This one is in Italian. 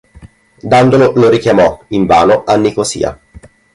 Dandolo lo richiamò, invano, a Nicosia.